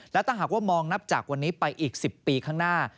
และถ้าหากว่ามองนับจากวันนี้ไปอีก๑๐ปีข้างหน้า